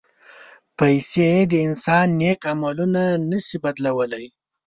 پېسې د انسان نیک عملونه نه شي بدلولی.